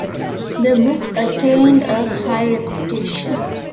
The book attained a high reputation.